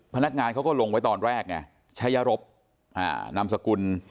พนักงานเขาก็ลงไว้ตอนแรกไงชัยรบนามสกุล